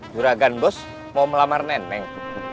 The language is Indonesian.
juragan bos mau melamar neneng